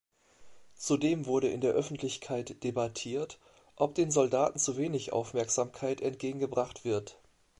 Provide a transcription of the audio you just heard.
Zudem wurde in der Öffentlichkeit debattiert, ob den Soldaten zu wenig Aufmerksamkeit entgegengebracht wird.